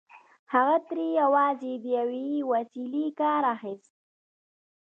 هغه ترې یوازې د یوې وسيلې کار اخيست